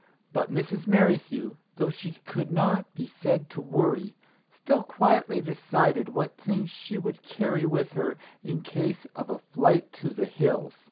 But Mrs. Merrithew, though she could not be said to worry, still quietly decided what things she would carry with her in case of a flight to the hills